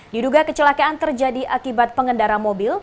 diduga kecelakaan terjadi akibat pengendara mobil